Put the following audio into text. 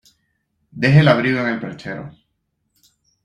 Deja el abrigo en el perchero.